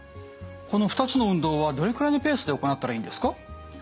この２つの運動はどれくらいのペースで行ったらいいんですか？